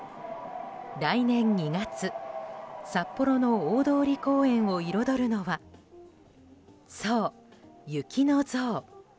来年２月、札幌の大通公園を彩るのはそう、雪の像。